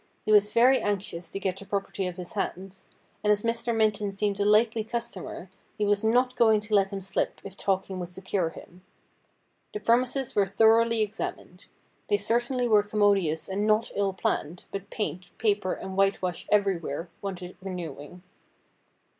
He was very anxious to get the property off his hands, and as Mr. Minton seemed a likely customer he was not going to let him slip if talking would secure him. The premises were thoroughly examined. They certainly were commodious and not ill planned, but paint, paper, and white wash everywhere wanted renewing.